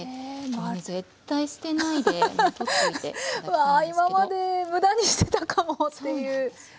わ今まで無駄にしてたかもっていう。